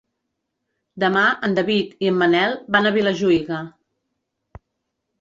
Demà en David i en Manel van a Vilajuïga.